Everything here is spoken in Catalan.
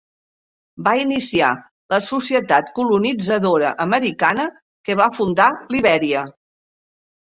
Va iniciar la Societat colonitzadora americana que va fundar Libèria.